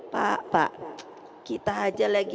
pak pak kita aja lagi